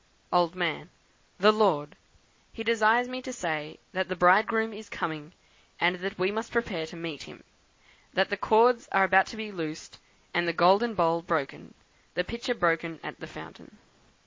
"Old Man. 'The Lord. He desires me to say that the Bridegroom is coming, and that we must prepare to meet him; that the cords are about to be loosed, and the golden bowl broken; the pitcher broken at the fountain.'